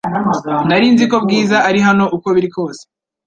Nari nzi ko Bwiza ari hano uko biri kose